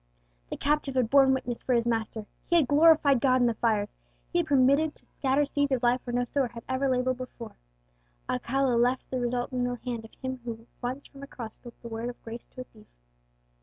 The captive had borne witness for his Master, he had glorified God in the fires, he had been permitted to scatter seeds of life where no sower had ever laboured before. Alcala left the result in the hand of Him who once from a cross spoke the word of grace to a thief.